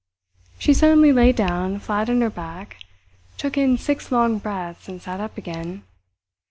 She suddenly lay down flat on her back, took in six long breaths, and sat up again.